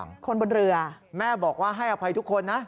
เม่าบอกว่าให้อภัยทุกคนนะ